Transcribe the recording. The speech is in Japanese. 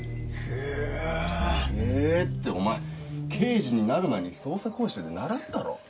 「へえ」ってお前刑事になる前に捜査講習で習ったろ。